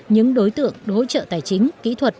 những đối tượng hỗ trợ tài chính kỹ thuật